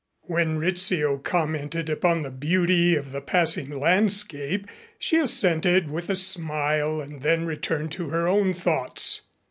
When Rizzio commented upon the beauty of the passing landscape she assented with a smile and then returned to her own thoughts.